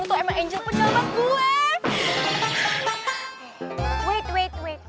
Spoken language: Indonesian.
lo tuh emang angel penjelman gue